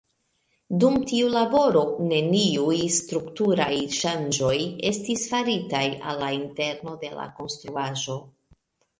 Dum tiu laboro, neniuj strukturaj ŝanĝoj estis faritaj al la interno de la konstruaĵo.